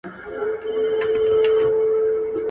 په پښتو ژبه کي ورته سياست پوهنه ويل کېږي.